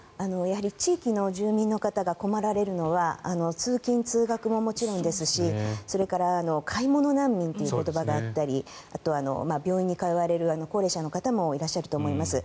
地域の住民の方が困られるのは通勤・通学ももちろんですしそれから買い物難民という言葉があったりあと、病院に通われる高齢者の方もいらっしゃると思います。